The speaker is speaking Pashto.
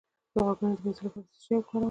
د غوږونو د مینځلو لپاره باید څه شی وکاروم؟